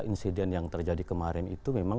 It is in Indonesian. insiden yang terjadi kemarin itu memang